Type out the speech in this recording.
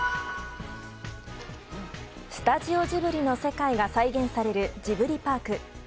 スタジオジブリの世界が再現されるジブリパーク。